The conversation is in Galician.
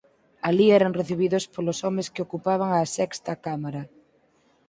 Alí eran recibidos polos homes que ocupaban a sexta cámara.